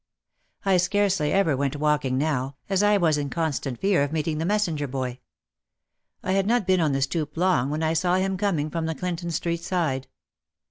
I scarcely ever went walking now, as I was in constant fear of meeting the messenger boy. I had not been on the stoop long when I saw him coming from the Clinton Street side.